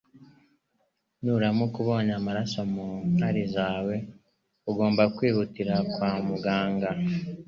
Nuramuka ubonye amaraso mu nkari zawe, ugomba kwihutira kugana kwa muganga